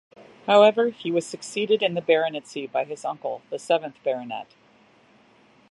However, he was succeeded in the baronetcy by his uncle, the seventh Baronet.